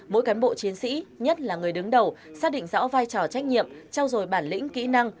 mỗi cán bộ chiến sĩ nhất là người đứng đầu xác định rõ vai trò trách nhiệm trao dồi bản lĩnh kỹ năng